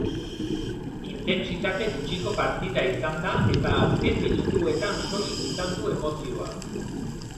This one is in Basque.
Intentsitate gutxiko partida izan da eta azken minutuetan soilik izan du emozioa.